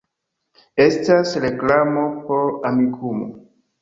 Estas reklamo por Amikumu